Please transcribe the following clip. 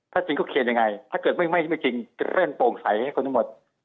ถ้าจริงก็เคลียร์ยังไงถ้าไม่จริงก็เล่นโปร่งใสให้คนทั้งหมด